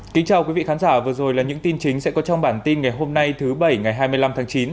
kính chào quý vị khán giả vừa rồi là những tin chính sẽ có trong bản tin ngày hôm nay thứ bảy ngày hai mươi năm tháng chín